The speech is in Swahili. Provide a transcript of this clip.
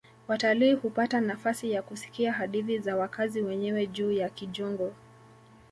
Watalii hupata nafasi ya kusikia hadithi za wakazi wenyewe juu ya kijungu